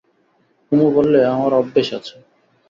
কুমু বললে, আমার অভ্যেস আছে।